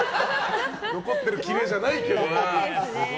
残ってるキレじゃないけどな。